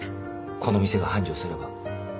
この店が繁盛すれば。